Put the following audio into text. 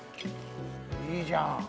いいじゃん。